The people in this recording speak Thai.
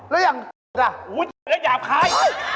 อ๋อแล้วอย่างอุ๊ยอย่าพ้าย